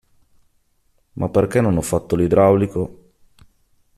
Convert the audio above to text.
Ma perché non ho fatto l’idraulico?